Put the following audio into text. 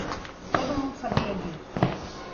Todo mundo sabia disso.